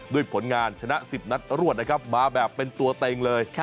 ผลงานชนะ๑๐นัดรวดนะครับมาแบบเป็นตัวเต็งเลย